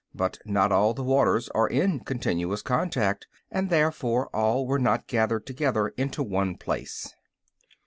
But not all the waters are in continuous contact, and therefore all were not gathered together into one place.